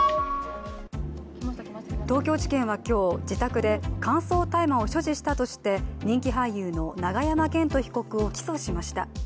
東京地検は今日、自宅で乾燥大麻を所持したとして人気俳優の永山絢斗被告を起訴しました。